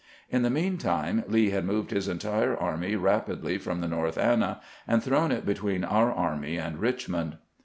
In the mean time Lee had moved his entire army rapidly from the North Anna, and thrown it between our army and Richmond.